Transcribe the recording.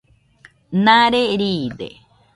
Nare riide